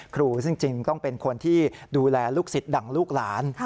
ครูซึ่งจริงต้องเป็นคนที่ดูแลลูกศิษย์ดังลูกหลาน